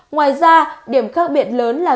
ngoài ra điểm khác biệt lớn là